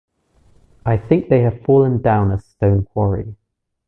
I think they have fallen down the stone quarry.